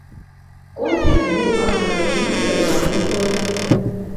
Комплекс быў агароджаны драўляным плотам.